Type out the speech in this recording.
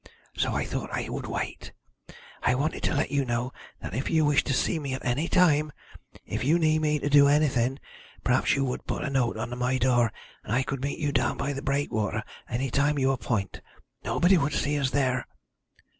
So I thought I would wait. I wanted to let you know that if you wish to see me at any time if you need me to do anything perhaps you would put a note under my door, and I could meet you down by the breakwater at any time you appoint. Nobody would see us there."